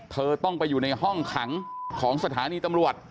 เธอต้องไปอยู่ในห้องขังของสถานีตำรวจ